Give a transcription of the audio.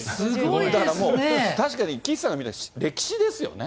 だからもう、確かに岸さんが見たら歴史ですよね。